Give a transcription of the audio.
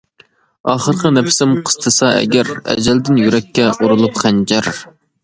ئاخىرقى نەپىسىم قىستىسا ئەگەر، ئەجەلدىن يۈرەككە ئۇرۇلۇپ خەنجەر.